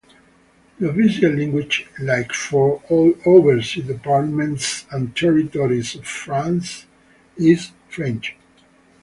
The official language, like for all overseas departments and territories of France, is French.